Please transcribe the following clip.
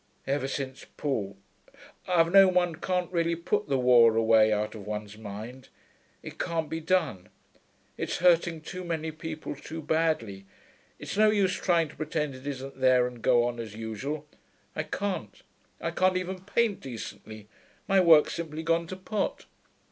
Ever since Paul ... I've known one can't really put the war away out of one's mind: it can't be done. It's hurting too many people too badly; it's no use trying to pretend it isn't there and go on as usual. I can't. I can't even paint decently; my work's simply gone to pot.'